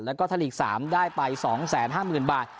แล้วก็ไทยลีก๓ได้ไป๒๕๐๐๐บาท